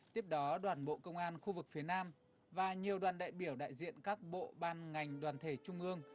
tiếp đó đoàn bộ công an khu vực phía nam và nhiều đoàn đại biểu đại diện các bộ ban ngành đoàn thể trung ương